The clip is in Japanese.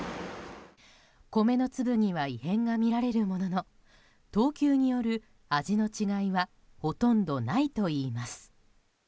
米の粒には異変が見られるものの等級による味の違いはほとんどないといいます。